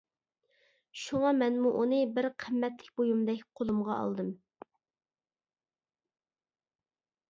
شۇڭا مەنمۇ ئۇنى بىر قىممەتلىك بۇيۇمدەك قولۇمغا ئالدىم.